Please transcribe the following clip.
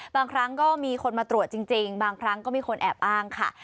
บางครั้งก็มีคนมาตรวจจริงบางครั้งก็มีคนแอบอ้างค่ะ